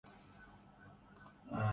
وہ بال سنوار رہی ہے